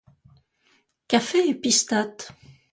Qu'a fait Épisthate?